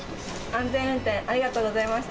安全運転ありがとうございました。